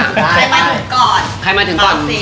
ใครมาถึงก่อน